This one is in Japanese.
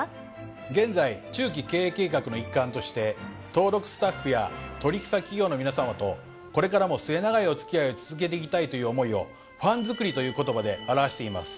現在中期経営計画の一環として登録スタッフや取引先企業の皆さまとこれからも末長いお付き合いを続けていきたいという思いを「ファンづくり」という言葉で表しています。